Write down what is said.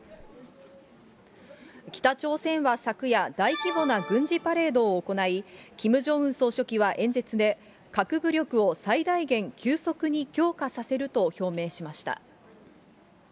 北朝鮮は昨夜、大規模な軍事パレードを行い、キム・ジョンウン総書記は演説で、核武力を最大限急速に強化させると表明しました。